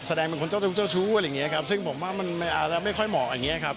จะมีพวกแบบให้เล่นแบบแสดงอย่างคนน์เจ้าชู้ชู้อะไรอย่างเงี้ยครับ